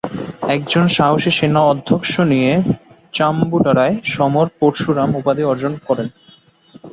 এক সাহসী সেনাধ্যক্ষ হিসেবে চাবুণ্ডরায় ‘সমর পরশুরাম’ উপাধি অর্জন করেছিলেন।